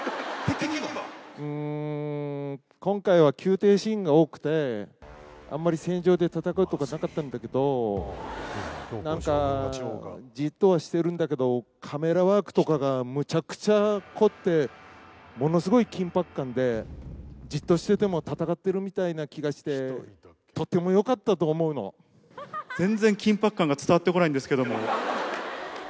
うーん、今回は宮廷シーンが多くて、あんまり戦場で戦うとかなかったんだけどー、なんか、じっとはしてるんだけど、カメラワークとかがむちゃくちゃ凝って、ものすごい緊迫感で、じっとしてても戦ってるみたいな気がして、全然緊迫感が伝わってこないんですけども。